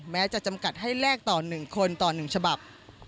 แม้จะจำกัดให้แลกต่อ๑คนต่อ๑ฉบับ